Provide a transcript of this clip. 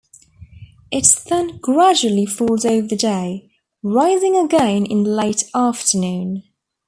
It then gradually falls over the day, rising again in late afternoon.